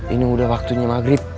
ini udah waktunya maghrib